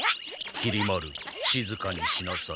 きり丸しずかにしなさい。